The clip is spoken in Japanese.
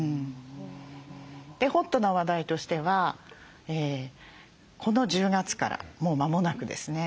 ホットな話題としてはこの１０月からもう間もなくですね